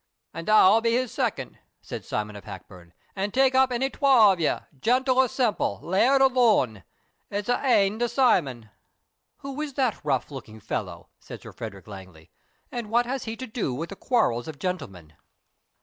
"And I'll be his second," said Simon of Hackburn, "and take up ony twa o' ye, gentle or semple, laird or loon; it's a' ane to Simon." "Who is that rough looking fellow?" said Sir Frederick Langley, "and what has he to do with the quarrels of gentlemen?"